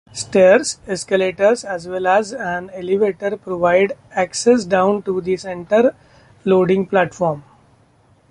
Stairs, escalators, as well as an elevator provide access down to the centre-loading platform.